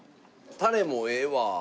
タレもええわ。